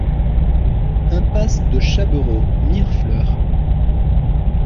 Impasse de Chaberot, Mirefleurs